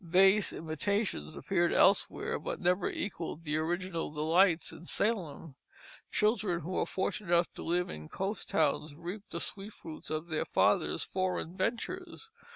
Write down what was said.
Base imitations appeared elsewhere, but never equalled the original delights in Salem. Children who were fortunate enough to live in coast towns reaped the sweet fruits of their fathers' foreign ventures.